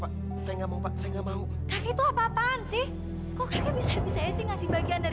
kakek udah lupa ingetan ya